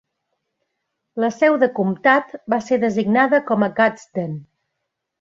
La seu de comtat va ser designada com a Gadsden.